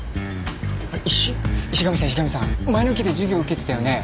石石上さん石上さん前の期で授業受けてたよね？